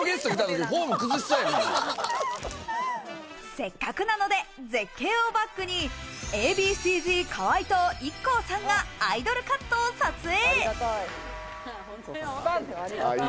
せっかくなので絶景をバックにＡ．Ｂ．Ｃ−Ｚ・河合と、ＩＫＫＯさんがアイドルカットを撮影。